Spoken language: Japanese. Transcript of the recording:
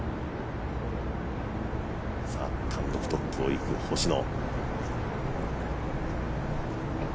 単独トップをいく星野。